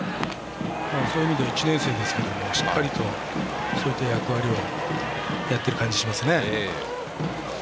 そういう意味では１年生ですからそういった役割をやっている感じがします。